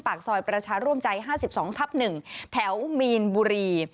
ปากซอยประชาร่วมใจ๕๒ทับ๑แถวมีนบุรี